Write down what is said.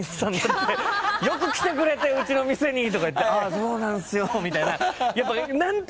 「よく来てくれたようちの店に」とか言ってそうなんすよみたいな。